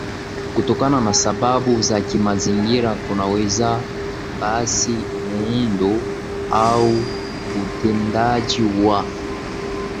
kutokana na sababu za kimazingira kunaweza basi muundo au utendaji wa